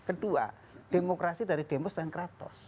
kedua demokrasi dari demos dan keraton